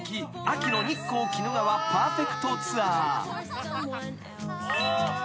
秋の日光・鬼怒川パーフェクトツアー］